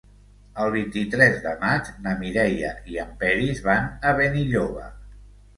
El vint-i-tres de maig na Mireia i en Peris van a Benilloba.